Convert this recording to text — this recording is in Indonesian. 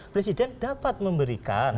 presiden dapat memberikan